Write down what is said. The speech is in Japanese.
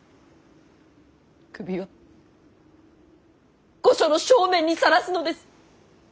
首は御所の正面にさらすのです！